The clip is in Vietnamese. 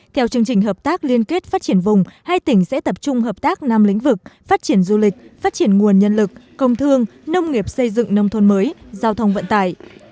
theo chương trình hợp tác liên kết phát triển vùng hai tỉnh sẽ tập trung hợp tác năm lĩnh vực phát triển du lịch phát triển nguồn nhân lực công thương nông nghiệp xây dựng nông thôn mới giao thông vận tải